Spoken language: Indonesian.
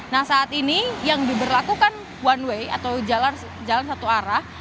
nah saat ini yang diberlakukan one way atau jalan satu arah